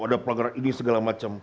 ada program ini segala macam